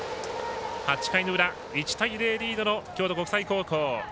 ８回の裏、１対０でリードの京都国際高校。